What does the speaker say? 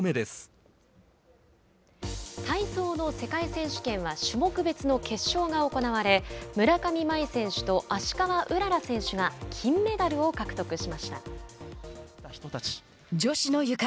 体操の世界選手権は種目別の決勝が行われ村上茉愛選手と芦川うらら選手が女子のゆか。